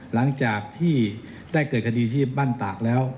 หลังจากที่ได้เกิดคดีที่บ้านตากแล้ว